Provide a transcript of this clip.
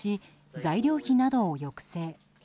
材料費などを抑制。